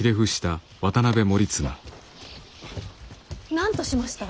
なんとしました？